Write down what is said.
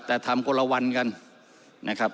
แต่ทำคนละวันกันนะครับ